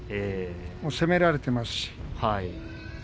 攻められていますし。